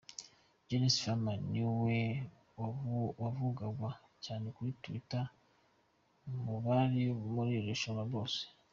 Janice Freeman niwe wavugwaga cyane kuri Twitter mu bari muri irushanwa bose.